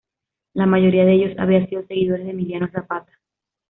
La mayoría de ellos había sido seguidores de Emiliano Zapata.